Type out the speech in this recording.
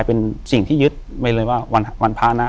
อยู่ที่แม่ศรีวิรัยิลครับ